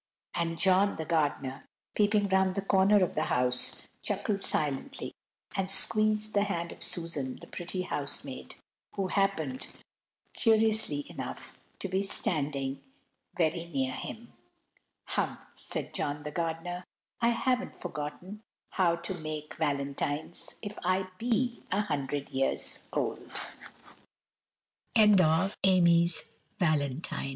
And John the gardener, peeping round the corner of the house, chuckled silently, and squeezed the hand of Susan, the pretty housemaid, who happened, curiously enough, to be standing very near him. "Humph!" said John the gardener, "I haven't forgotten how to make valentines, if I be a hundred years old!" ONCE UPON A TIME.